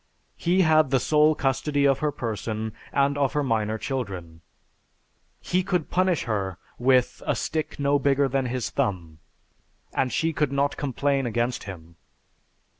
He had the sole custody of her person and of her minor children. He could punish her 'with a stick no bigger than his thumb' and she could not complain against him....